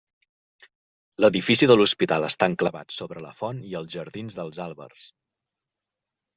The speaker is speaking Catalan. L'edifici de l'Hospital està enclavat sobre la font i els jardins dels Àlbers.